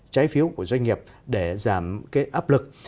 trái phiếu của doanh nghiệp để giảm cái áp lực